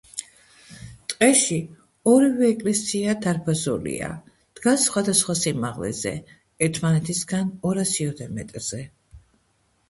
ტყეში, ორივე ეკლესია დარბაზულია, დგას სხვადასხვა სიმაღლეზე, ერთმანეთისგან ორასიოდე მეტრზე.